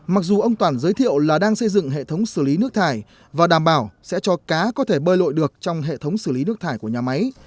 mặc dù ông toản giới thiệu là đang xây dựng hệ thống xử lý nước thải và đảm bảo sẽ cho cá có thể bơi lội được trong hệ thống xử lý nước thải của nhà máy